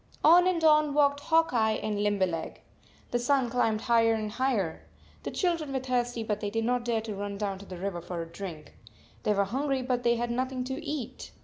On and on walked Hawk Eye and Lim 5 1 berleg. The sun climbed higher and higher. The children were thirsty, but they did not dare to run down to the river for a drink. They were hungry, but they had nothing to eat.